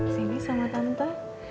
sini sama tante